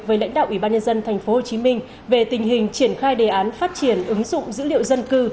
với lãnh đạo ủy ban nhân dân tp hcm về tình hình triển khai đề án phát triển ứng dụng dữ liệu dân cư